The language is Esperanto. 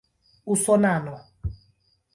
usonano